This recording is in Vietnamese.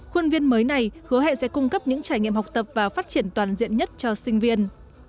khuôn viên mới này hứa hẹn sẽ cung cấp những trải nghiệm học tập và phát triển toàn diện nhất cho sinh viên